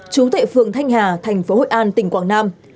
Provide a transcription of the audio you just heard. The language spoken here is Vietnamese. chú tệ phường thanh hà thành phố hội an tỉnh quảng nam